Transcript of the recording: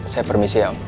saya permisi ya om